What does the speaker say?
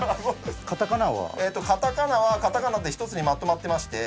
カタカナはカタカナで一つにまとまっていまして。